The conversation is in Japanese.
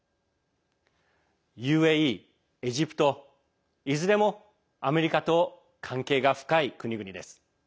ＵＡＥ、エジプトいずれもアメリカと関係が深い国々です。